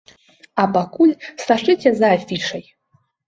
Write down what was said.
А пакуль сачыце за афішай!